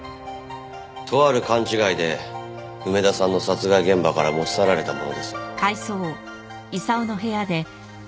とある勘違いで梅田さんの殺害現場から持ち去られたものです。